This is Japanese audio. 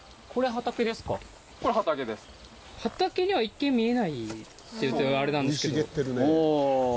畑には一見見えないと言うとあれなんですけど。